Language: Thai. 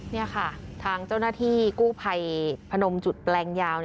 นี่ค่ะทางเจ้าหน้าที่กู้ภัยพนมจุดแปลงยาว